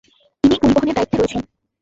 উনিই পরিবহনের দায়িত্বে রয়েছেন।